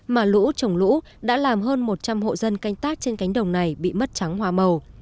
mà lũ trồng lũ đã làm hơn một trăm linh hộ dân canh tác trên cánh đồng này bị mất trắng hoa màu